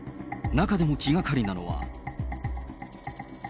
中でも気がかりなのは。